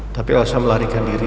tapi elsa melarikan diri